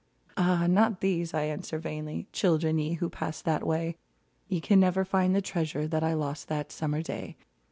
Ah ! not these, I answer vainly ; Children, ye who passed that way, Ye can never find the treasure That I lost that summer day